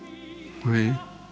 はい。